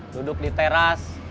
duduk di teras